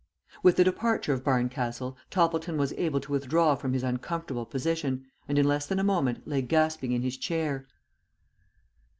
With the departure of Barncastle, Toppleton was able to withdraw from his uncomfortable position, and in less than a moment lay gasping in his chair.